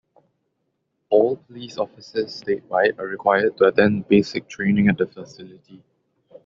All police officers statewide are required to attend basic training at the facility.